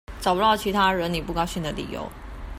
找不到其他惹你不高興的理由